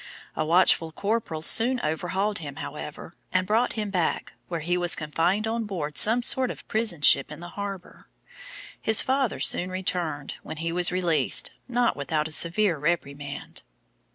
A watchful corporal soon overhauled him, however, and brought him back, where he was confined on board some sort of prison ship in the harbour. His father soon returned, when he was released, not without a severe reprimand.